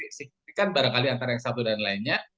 ini kan barangkali antara yang satu dan lainnya